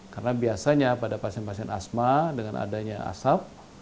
karena biasanya pada pasien pasien asma dengan adanya asap